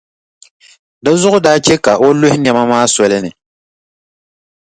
Di zuɣu daa che ka o luhi nɛma maa soli ni.